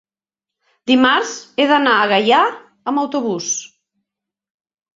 dimarts he d'anar a Gaià amb autobús.